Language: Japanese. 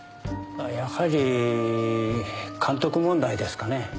やはり監督問題ですかね。